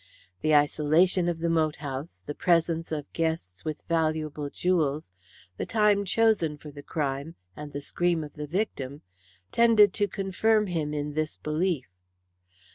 The isolation of the moat house, the presence of guests with valuable jewels, the time chosen for the crime, and the scream of the victim, tended to confirm him in this belief.